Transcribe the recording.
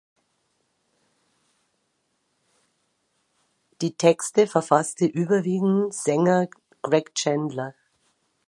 Die Texte verfasste überwiegend Sänger Greg Chandler.